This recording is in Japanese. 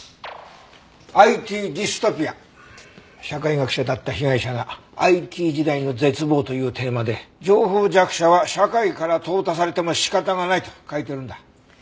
社会学者だった被害者が「ＩＴ時代の絶望」というテーマで情報弱者は社会から淘汰されても仕方がないと書いてるんだ。